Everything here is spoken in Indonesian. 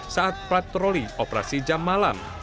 saat patroli operasi jam malam